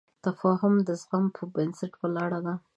تفاهم د زغم په بنسټ ولاړ دی.